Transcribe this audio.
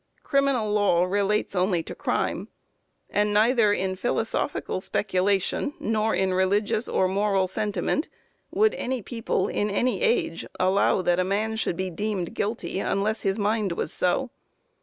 Criminal law relates only to crime. And neither in philosophical speculation, nor in religious or moral sentiment, would any people in any age allow that a man should be deemed guilty unless his mind was so.